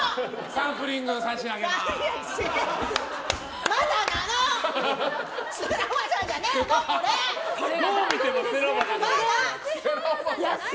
サンプリング差し上げます！